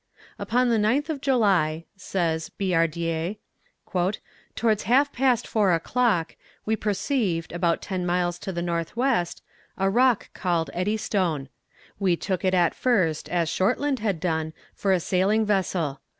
"Upon the 9th of July," says La Billardière, "towards half past four o'clock, we perceived, about ten miles to the N.W., a rock called Eddystone. We took it at first, as Shortland had done, for a sailing vessel.